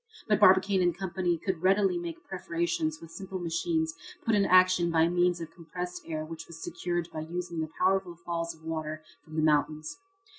But Barbicane & Co. could readily make perforations with simple machines put in action by means of compressed air which was secured by using the powerful falls of water from the mountains.